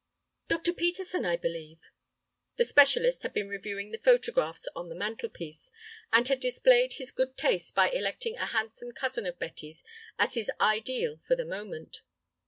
"Dr. Peterson, I believe?" The specialist had been reviewing the photographs on the mantel piece, and had displayed his good taste by electing a handsome cousin of Betty's as his ideal for the moment.